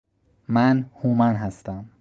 من هومن هستم